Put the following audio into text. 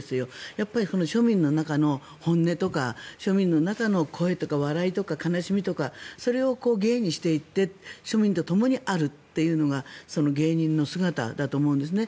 やっぱり庶民の中の本音とか庶民の中の声とか笑いとか、悲しみとかそれを芸にしていって庶民とともにあるというのがその芸人の姿だと思うんですね。